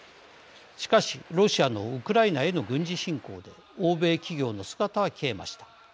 しかし、ロシアのウクライナへの軍事侵攻で欧米企業の姿は消えました。